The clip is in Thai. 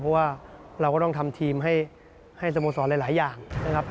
เพราะว่าเราต้องทำทีมให้สโมสรหลายอย่าง